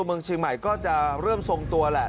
เมืองเชียงใหม่ก็จะเริ่มทรงตัวแหละ